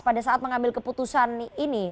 pada saat mengambil keputusan ini